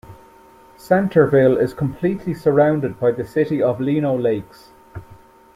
Centerville is completely surrounded by the city of Lino Lakes.